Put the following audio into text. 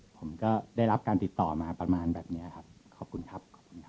ผมก็ได้รับการติดต่อมาประมาณแบบเนี้ยครับขอบคุณครับ